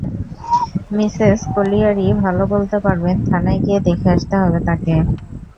Mrs কলিয়ারই ভালো বলতে পারবেন, থানায় গিয়ে দেখে আসতে হবে তাঁকে।